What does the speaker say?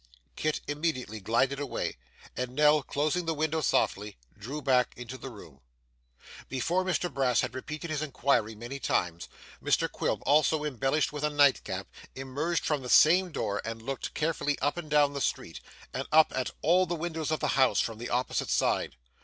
Kit immediately glided away, and Nell, closing the window softly, drew back into the room. Before Mr Brass had repeated his inquiry many times, Mr Quilp, also embellished with a night cap, emerged from the same door and looked carefully up and down the street, and up at all the windows of the house, from the opposite side.